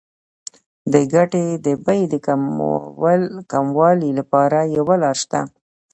د ګټې د بیې د کموالي لپاره یوه لار شته